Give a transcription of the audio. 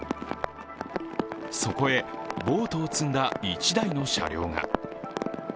そこへボートを積んだ１台の車両が。